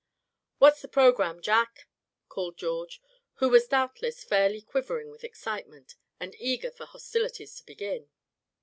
"What's the programme, Jack?" called George, who was doubtless fairly quivering with excitement, and eager for hostilities to begin.